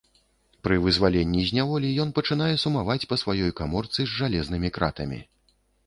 Пры вызваленні з няволі ён пачынае сумаваць па сваёй каморцы з жалезнымі кратамі.